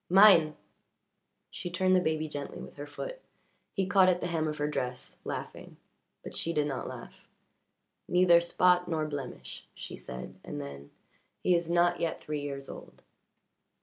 "Mine!" She turned the baby gently with her foot; he caught at the hem of her dress, laughing. But she did not laugh. "Neither spot nor blemish," she said, and then: "He is not yet three years old."